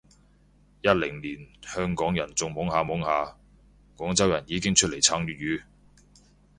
一零年香港人仲懵下懵下，廣州人已經出嚟撐粵語